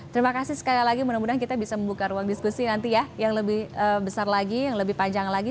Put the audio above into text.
terima kasih sekali lagi mudah mudahan kita bisa membuka ruang diskusi nanti ya yang lebih besar lagi yang lebih panjang lagi